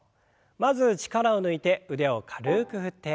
まず力を抜いて腕を軽く振って。